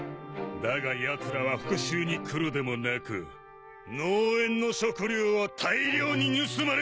だがやつらは復讐に来るでもなく農園の食料は大量に盗まれ続けてる